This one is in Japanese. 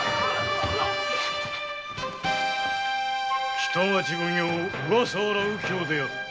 北町奉行・小笠原右京である。